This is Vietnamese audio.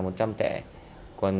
công an bắt giữ